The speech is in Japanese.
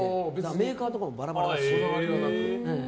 メーカーとかもバラバラだし。